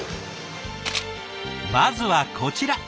まずはこちら。